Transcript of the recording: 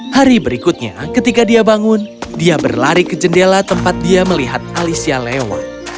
hari berikutnya ketika dia bangun dia berlari ke jendela tempat dia melihat alicia lewat